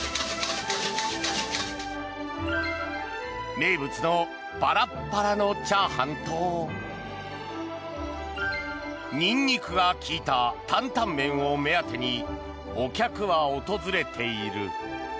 名物のパラッパラのチャーハンとニンニクが利いたタンタンメンを目当てにお客は訪れている。